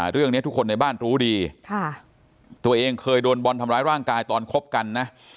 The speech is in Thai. เรื่องนี้ทุกคนในบ้านรู้ดีตัวเองเคยโดนบอลทำร้ายร่างกายตอนคบกันนะ